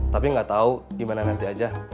tapi gak tau gimana nanti aja